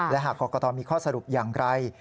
และหากกรกตมีข้อสรุปอย่างไร